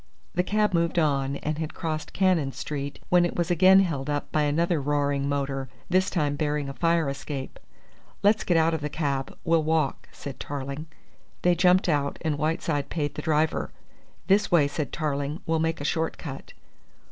The cab moved on, and had crossed Cannon Street, when it was again held up by another roaring motor, this time bearing a fire escape. "Let's get out of the cab; we'll walk," said Tarling. They jumped out, and Whiteside paid the driver. "This way," said Tarling. "We'll make a short cut."